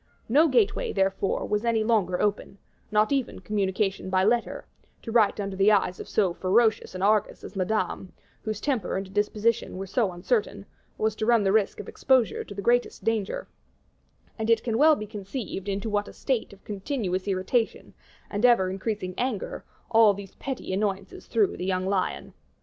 No gateway, therefore, was any longer open not even communication by letter; to write under the eyes of so ferocious an Argus as Madame, whose temper and disposition were so uncertain, was to run the risk of exposure to the greatest danger; and it can well be conceived into what a state of continuous irritation, and ever increasing anger, all these petty annoyances threw the young lion.